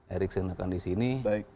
eriksen akan disini